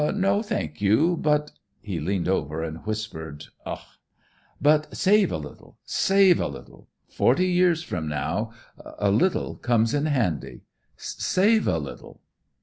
"'No, thank you, but' he leaned over and whispered, ugh! 'but save a little, save a little. Forty years from now a little comes in handy. Save a little.'